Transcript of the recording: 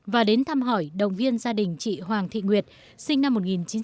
và đến thăm hỏi động viên gia đình chị hoàng thị nguyệt sinh năm một nghìn chín trăm bảy mươi